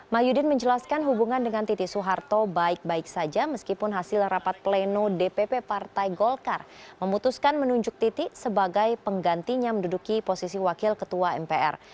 mahyudin menjelaskan hubungan dengan titi soeharto baik baik saja meskipun hasil rapat pleno dpp partai golkar memutuskan menunjuk titi sebagai penggantinya menduduki posisi wakil ketua mpr